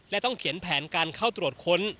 และต้องเขียนแผนการเข้าตรวจค้น